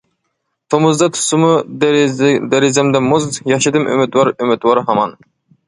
تومۇزدا تۇتسىمۇ دېرىزەمدە مۇز، ياشىدىم ئۈمىدۋار، ئۈمىدۋار ھامان.